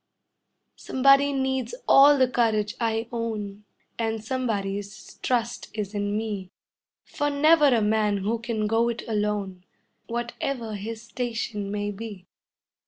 ] Somebody needs all the courage I own, And somebody's trust is in me; For never a man who can go it alone, Whatever his station may be.